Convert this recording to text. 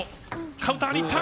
カウンターに行った。